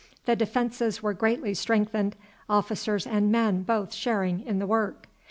The defences were greatly strengthened, officers and men both sharing in the work.